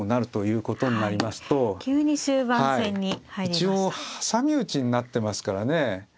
一応挟み撃ちになってますからね。